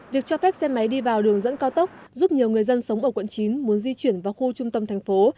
việc cho phép xe máy đi vào đường dẫn cao tốc giúp nhiều người dân sống ở quận chín muốn di chuyển vào khu trung tâm thành phố